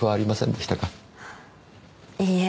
いいえ。